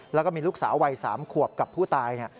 แล้วก็มีลูกสาววัย๓ขวบกับผู้ตาย